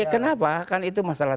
kenapa kan itu masalah